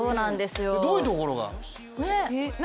どういうところが？